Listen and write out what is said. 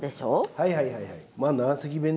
はいはいはいはい。